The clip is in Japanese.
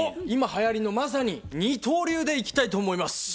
今はやりのまさに二刀流でいきたいと思います。